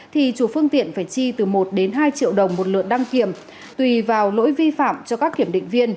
thì chủ phương tiện phải chi từ một đến hai triệu đồng một lượt đăng kiểm tùy vào lỗi vi phạm cho các kiểm định viên